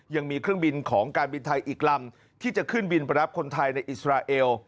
ยังมีเครื่องบินของการบินไทยอีกลำที่จะขึ้นบินไปรับคนไทยในอิสราเอล